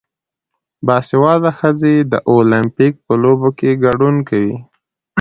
باسواده ښځې د اولمپیک په لوبو کې ګډون کوي.